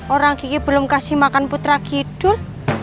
orang gigi belum kasih makan putra kidul